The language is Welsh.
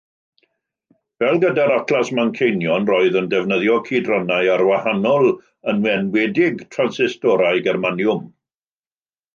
Fel gyda'r Atlas Manceinion, roedd yn defnyddio cydrannau arwahanol, yn enwedig transistorau germaniwm.